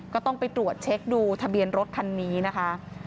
ก็ต้องไปตรวจเช็คดูทะเบียนรถคันนี้นะคะ